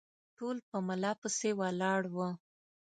ټول په ملا پسې ولاړ وه